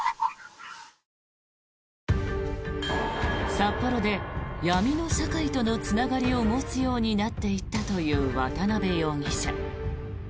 札幌で闇の社会とのつながりを持つようになっていったという渡邉容疑者。